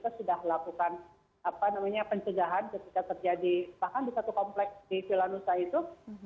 masyarakat juga sudah lakukan pencegahan ketika terjadi bahkan di satu kompleks di vilanusa itu